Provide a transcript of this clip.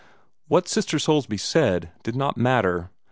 What Sister Soulsby said did not matter.